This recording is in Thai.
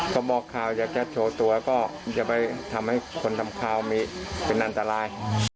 ก็บอกข่าวอยากจะโชว์ตัวก็อย่าไปทำให้คนทำข่าวเป็นอันตราย